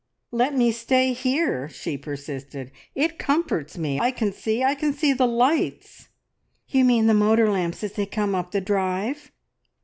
"Let me stay here!" she persisted. "It comforts me. I can see I can see the lights!" "You mean the motor lamps as they come up the drive?"